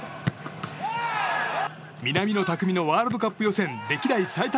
南野拓実のワールドカップ予選歴代最多